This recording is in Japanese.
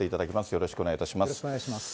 よろしくお願いします。